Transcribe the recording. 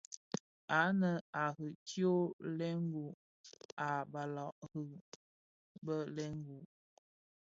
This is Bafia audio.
Ànë à riì tyông lëëgol, a balàg rì byey lëëgol.